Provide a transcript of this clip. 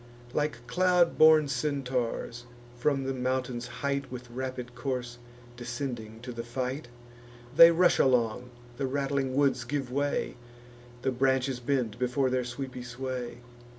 Like cloud born Centaurs, from the mountain's height With rapid course descending to the fight; They rush along; the rattling woods give way; The branches bend before their sweepy sway.